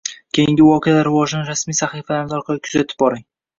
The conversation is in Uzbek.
Keyingi voqealar rivojini rasmiy sahifalarimiz orqali kuzatib boring.